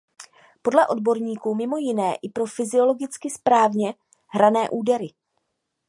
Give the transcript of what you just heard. Podle odborníků mimo jiné i pro fyziologicky správně hrané údery.